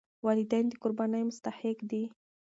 والدین د قربانۍ مستحق دي.